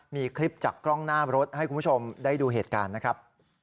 มีคลิปจากกล้องหน้ารถให้คุณผู้ชมได้ดูเหตุการณ์นะครับ